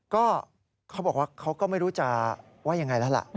ก็เขาบอกว่าเขาก็ไม่รู้จะว่ายังไงแล้วล่ะ